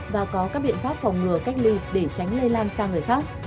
và có các biện pháp phòng ngừa cách ly để tránh lây lan sang người khác